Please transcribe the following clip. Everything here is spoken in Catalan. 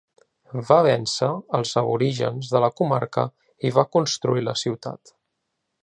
Va vèncer als aborígens de la comarca i va construir la ciutat.